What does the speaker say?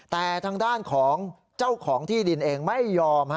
แต่ทางด้านของเจ้าของที่ดินเองไม่ยอม